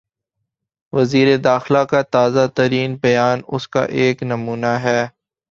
وزیر داخلہ کا تازہ ترین بیان اس کا ایک نمونہ ہے۔